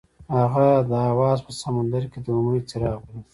هغه د اواز په سمندر کې د امید څراغ ولید.